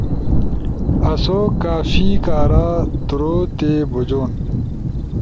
آسو کافی کارا درو تی بجُون